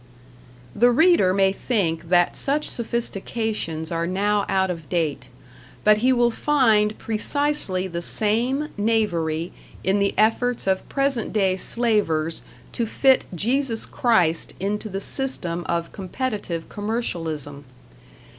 The reader may think that such sophistications are now out of date; but he will find precisely the same knavery in the efforts of present day Slavers to fit Jesus Christ into the system of competitive commercialism.